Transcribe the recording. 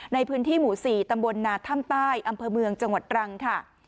ในพื้นที่หมู่๔ตำบลนาถ้ำใต้อำเภอเมืองจังหวัดตรังค่ะ